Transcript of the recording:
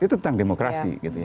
itu tentang demokrasi